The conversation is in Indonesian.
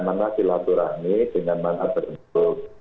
manakilaturah ini dengan manak tertentu